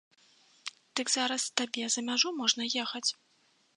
Дык зараз табе за мяжу можна ехаць!